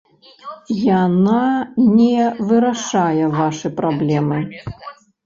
Яна не вырашае вашы праблемы!